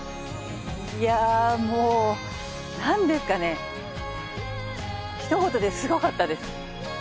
いやぁもうなんですかねひと言ですごかったです。